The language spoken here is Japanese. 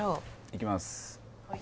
いきます